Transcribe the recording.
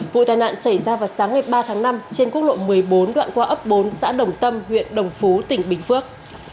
vụ tai nạn xảy ra vào sáng ngày ba tháng năm trên quốc lộ một mươi bốn đoạn qua ấp bốn xã đồng tâm huyện đồng phú tỉnh bình phước